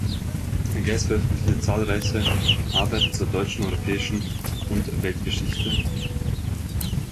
Geiss veröffentlichte zahlreiche Arbeiten zur Deutschen, europäischen und Weltgeschichte.